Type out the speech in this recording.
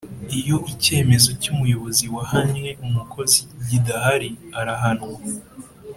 Iyo icyemezo cy umuyobozi wahannye umukozi gidahari arahanwa